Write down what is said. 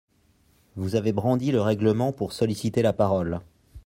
Vous avez brandi le règlement pour solliciter la parole.